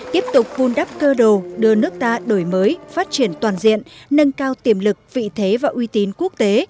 tiếp tục vun đắp cơ đồ đưa nước ta đổi mới phát triển toàn diện nâng cao tiềm lực vị thế và uy tín quốc tế